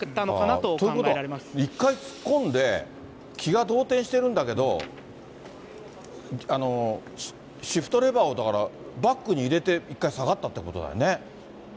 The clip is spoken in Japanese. ということは、一回突っ込んで、気が動転してるんだけど、シフトレバーを、だからバックに入れて、一回下がったってことだよね。